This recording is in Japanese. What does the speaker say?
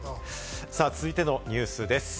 続いてのニュースです。